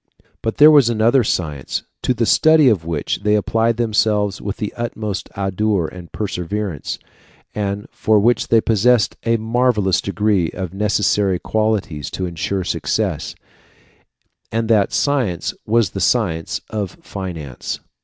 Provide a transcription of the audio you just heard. But there was another science, to the study of which they applied themselves with the utmost ardour and perseverance, and for which they possessed in a marvellous degree the necessary qualities to insure success, and that science was the science of finance.